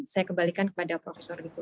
saya kebalikan kepada prof riku